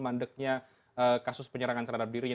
mandeknya kasus penyerangan terhadap dirinya